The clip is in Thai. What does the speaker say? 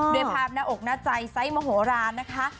ด้วยภาพหน้าอกหน้าใจไซส์มโหลานนะคะ